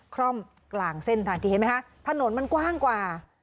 คร่อมกลางเส้นทางที่เห็นไหมคะถนนมันกว้างกว่า